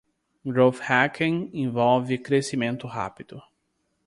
Growth Hacking envolve crescimento rápido.